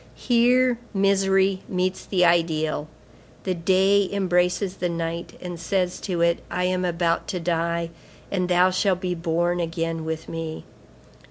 Here misery meets the ideal. The day embraces the night, and says to it: 'I am about to die, and thou shalt be born again with me.